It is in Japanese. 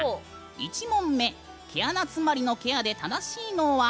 １問目、毛穴詰まりのケアで正しいのは？